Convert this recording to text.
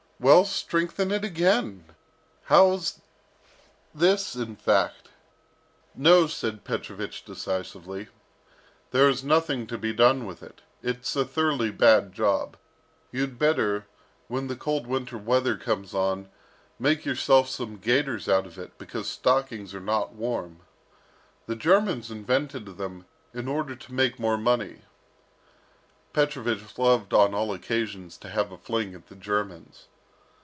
"Well, strengthen it again. How this, in fact " "No," said Petrovich decisively, "there is nothing to be done with it. It's a thoroughly bad job. You'd better, when the cold winter weather comes on, make yourself some gaiters out of it, because stockings are not warm. The Germans invented them in order to make more money." Petrovich loved on all occasions to have a fling at the Germans.